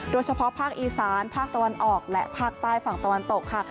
โดยเฉพาะภาคอีสานภาคตะวันออกและภาคใต้ฝั่งตะวันตกค่ะ